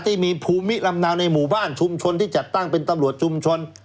ที่มีภูมิลำเนาในหมู่บ้านชุมชนที่จัดตั้งเป็นตำรวจชุมชน